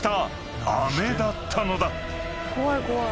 怖い怖い。